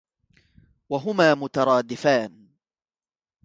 وَهُمَا مُتَرَادِفَانِ